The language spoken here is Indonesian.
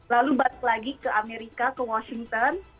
lalu balik lagi ke amerika ke washington